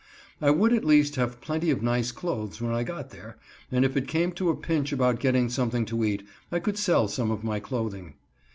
I would, at least, have plenty of nice clothes when I got there, and if it came to a pinch about getting something to eat, I could sell some of my clothing.